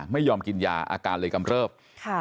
ไม่ยอมกินยาอาการเลยกำเริบ